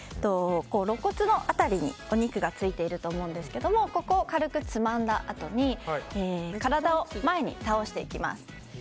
ろっ骨の辺りにお肉がついていると思うんですがここを軽くつまんだあとに体を前に倒していきます。